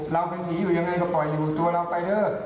เราเป็นผีอยู่ยังไงก็ปล่อยอยู่ตัวเราไปเถอะ